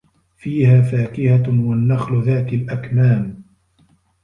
فيها فاكِهَةٌ وَالنَّخلُ ذاتُ الأَكمامِ